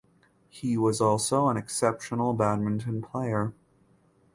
He was also an exceptional badminton player.